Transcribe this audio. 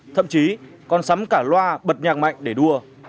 thậm chí còn sắm cả loa bật nhà mạnh để đua